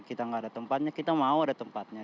kita nggak ada tempatnya kita mau ada tempatnya